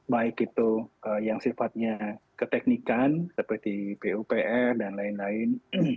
baik itu yang sifatnya keteknikan seperti pupr dan lain lain